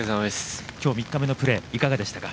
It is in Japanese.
きょう３日目のプレー、いかがでしたか？